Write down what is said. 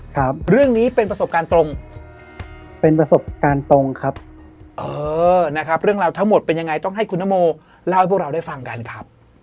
ครับเรื่องนี้เป็นประสบการณ์ตรงเป็นประสบการณ์ตรงครับเออนะครับเรื่องราวทั้งหมดเป็นยังไงต้องให้คุณนโมเล่าให้พวกเราได้ฟังกันครับ